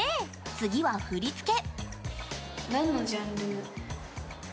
次は振り付け。